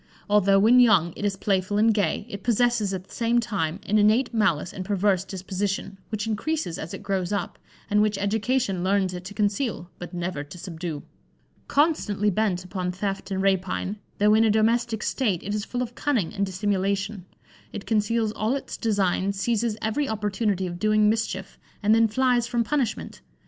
Although when young it is playful and gay, it possesses at the same time an innate malice and perverse disposition, which increases as it grows up, and which education learns it to conceal, but never to subdue. Constantly bent upon theft and rapine, though in a domestic state, it is full of cunning and dissimulation: it conceals all its designs, seizes every opportunity of doing mischief, and then flies from punishment.